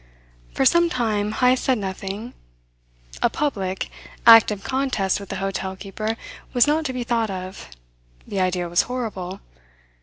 For some time Heyst said nothing. A public, active contest with the hotel keeper was not to be thought of. The idea was horrible.